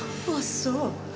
あっそう。